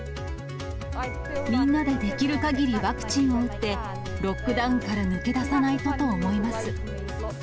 みんなでできるかぎりワクチンを打って、ロックダウンから抜け出さないとと思います。